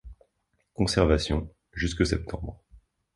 Conservation: jusque septembre.